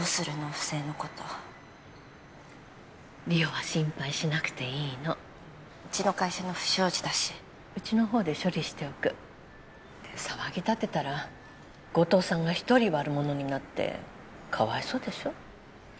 不正のこと梨央は心配しなくていいのうちの会社の不祥事だしうちの方で処理しておく騒ぎ立てたら後藤さんが一人悪者になってかわいそうでしょ？